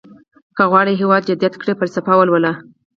که غواړئ هېواد جديد کړئ فلسفه ولولئ.